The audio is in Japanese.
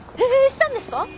したんですか？